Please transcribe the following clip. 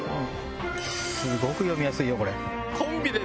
すごく読みやすいよこれ。